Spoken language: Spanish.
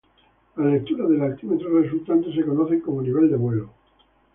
Las lecturas del altímetro resultantes se conocen como nivel de vuelo.